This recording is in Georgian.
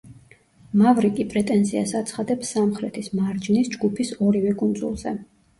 მავრიკი პრეტენზიას აცხადებს სამხრეთის მარჯნის ჯგუფის ორივე კუნძულზე.